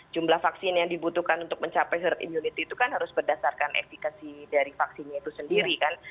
jumlah vaksin yang dibutuhkan untuk mencapai herd immunity itu kan harus berdasarkan efekasi dari vaksinnya itu sendiri kan